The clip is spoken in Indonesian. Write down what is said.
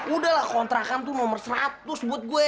udah lah kontrakan tuh nomor seratus buat gue